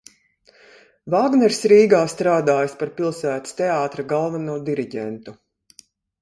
Vāgners Rīgā strādājis par Pilsētas teātra galveno diriģentu.